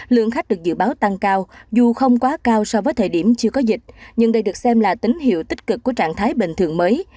lượng khách được dự báo tăng cao dù không quá cao so với thời điểm chưa có dịch nhưng đây được xem là tín hiệu tích cực của trạng thái bình thường mới